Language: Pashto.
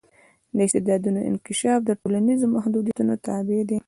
د استعدادونو انکشاف د ټولنیزو محدودیتونو تابع دی.